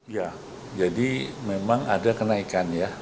ya jadi memang ada kenaikan ya